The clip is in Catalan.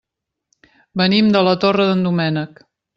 Venim de la Torre d'en Doménec.